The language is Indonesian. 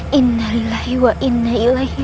bunda jangan tinggalkan aku